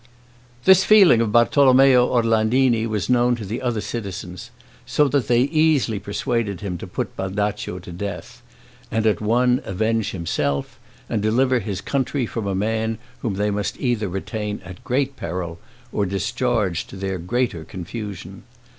This feeling of Bartolommeo Orlandini was known to other citizens, so that they easily persuaded him to put Baldaccio to death, and at one avenge himself, and deliver his country from a man whom they must either retain at great peril, or discharge to their greater confusion.